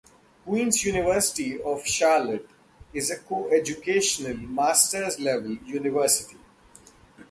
Queens University of Charlotte is a co-educational, master's level university.